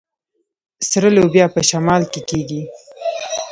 سره لوبیا په شمال کې کیږي.